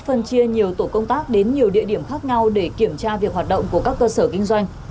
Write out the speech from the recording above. các quán bar đã đưa nhiều tổ công tác đến nhiều địa điểm khác nhau để kiểm tra việc hoạt động của các cơ sở kinh doanh